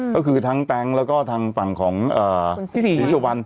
ก็คือทั้งแต๊งแล้วก็ทางฝั่งของคุณศรีสุวรรณ